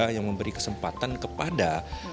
yang memberi kesempatan kepada